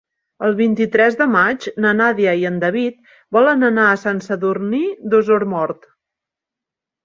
El vint-i-tres de maig na Nàdia i en David volen anar a Sant Sadurní d'Osormort.